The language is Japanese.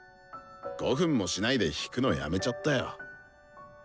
５分もしないで弾くのやめちゃったよ。